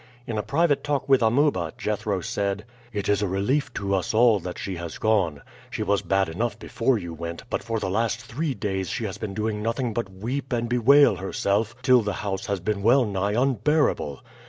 In a private talk with Amuba, Jethro said: "It is a relief to us all that she has gone; she was bad enough before you went, but for the last three days she has been doing nothing but weep and bewail herself till the house has been well nigh unbearable.